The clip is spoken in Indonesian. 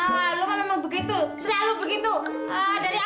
mulai bakal indah